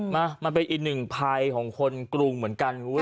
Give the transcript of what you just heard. มันเป็นอีกหนึ่งภายของคนกรุงเหมือนกัน